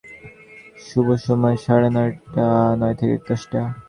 শুভ সময়, সাড়ে নয় থেকে দশটা।